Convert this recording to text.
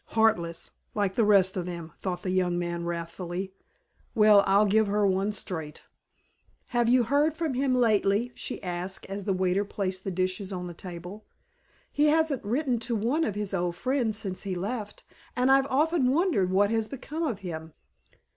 "Heartless, like all the rest of them," thought the young man wrathfully. "Well, I'll give her one straight." "Have you heard from him lately?" she asked, as the waiter placed the dishes on the table. "He hasn't written to one of his old friends since he left, and I've often wondered what has become of him."